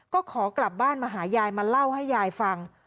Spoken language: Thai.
ก็ขอกลับบ้านมาหายายมาเล่าให้ยายฟัง